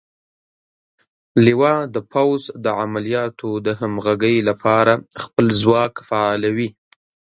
لوا د پوځ د عملیاتو د همغږۍ لپاره خپل ځواک فعالوي.